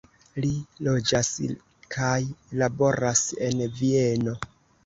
Li loĝas kaj laboras en Vieno.